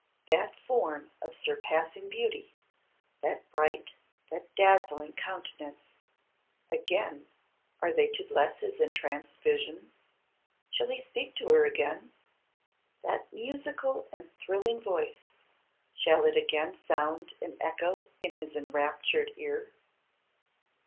That form of surpassing beauty: that bright, that dazzling countenance; again are they to bless his entranced vision? Shall he speak to her again? That musical and thrilling voice, shall it again sound and echo in his enraptured ear?